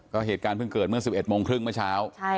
ก็เหตุการณ์เพิ่งเกิดเมื่อ๑๑โมงครึ่งเมื่อเช้า